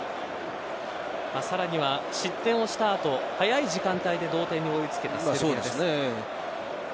さらには失点をした後早い時間帯で同点に追い付けたセルビアです。